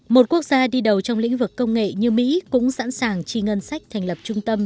một quốc gia đi đầu trong lĩnh vực công nghệ như mỹ cũng sẵn sàng chi ngân sách thành lập trung tâm